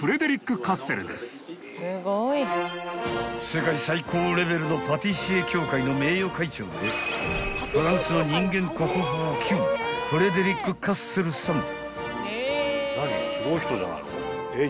［世界最高レベルのパティシエ協会の名誉会長でフランスの人間国宝級フレデリック・カッセルさん］